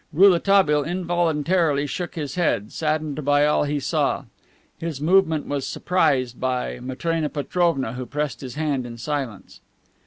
Rouletabille involuntarily shook his head, saddened by all he saw. His movement was surprised by Matrena Petrovna, who pressed his hand in silence.